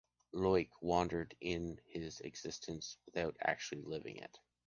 Loïc wandered in his existence without actually living it.